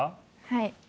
はい。